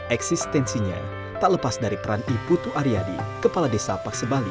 eksistensinya tak lepas dari peran ibu tu ariadi kepala desa paksebali